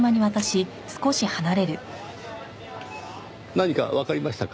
何かわかりましたか？